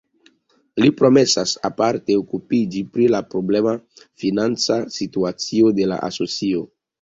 Li promesas aparte okupiĝi pri la problema financa situacio de la asocio.